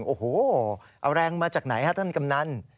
โอ้โหเอาแรงมาจากไหนฮะท่านกำนัน